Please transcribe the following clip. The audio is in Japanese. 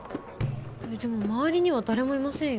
でもまわりには誰もいませんよ